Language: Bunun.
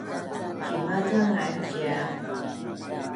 Cima ca ngan cia?